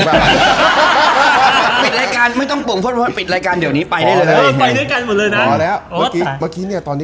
กอ่ะปิดรายการไม่ต้องปวงพลค่ะปิดรายการเดี๋ยวนี้ไป